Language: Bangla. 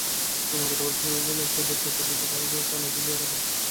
গতকাল শনিবার বেলা একটা থেকে দেড়টা পর্যন্ত তাঁরা তালা ঝুলিয়ে রাখেন।